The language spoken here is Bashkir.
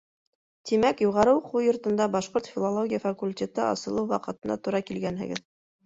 — Тимәк, юғары уҡыу йортонда башҡорт филологияһы факультеты асылыу ваҡытына тура килгәнһегеҙ.